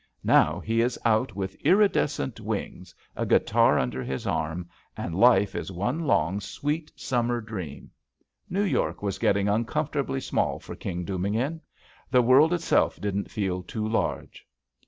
Now he is out with iridescent wings, a guitar under his arm, and life is one long, sweet summer dream. New York was getting uncomfortably small for King Dubignon. The world itself didn't feel too large.